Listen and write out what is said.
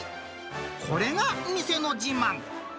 これが店の自慢。